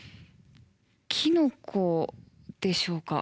キノコでしょうか？